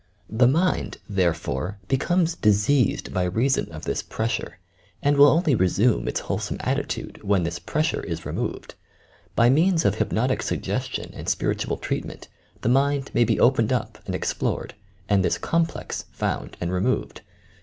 The mind, therefore, becomes "diseased" by reason of this "pressure," and will only resume its wholesome attitude when this "pressure" is removed. By means of hypnotic suggestion and spiritual treatment, the mind may be opened up and explored, and this "complex" found and removed.